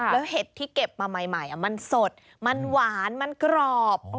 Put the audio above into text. แล้วเห็ดที่เก็บมาใหม่มันสดมันหวานมันกรอบ